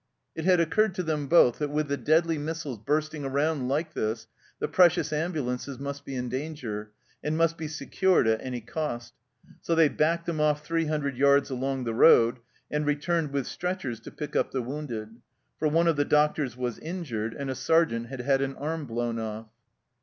It had occurred to them both that with the deadly missiles bursting around like this the precious ambulances must be in danger, and must be secured at any cost ; so they backed them off three hundred yards along the road, and returned with stretchers to pick up the wounded, for one of the doctors was injured, and a sergeant had had an arm blown off.